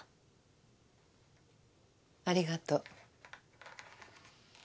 ありがとう。